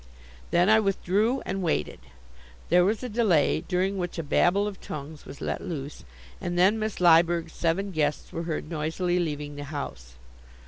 Then I withdrew and waited. There was a delay, during which a Babel of tongues was let loose, and then Miss Lyberg's seven guests were heard noisily leaving the house.